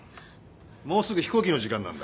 もうすぐ飛行機の時間なんだ。